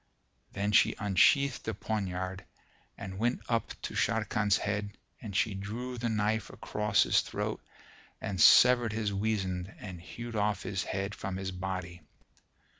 Then she unsheathed the poniard and went up to Sharrkan's head and she drew the knife across his throat and severed his weasand and hewed off his head from his body.